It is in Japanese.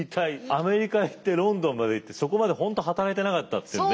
アメリカへ行ってロンドンまで行ってそこまで本当働いてなかったってね。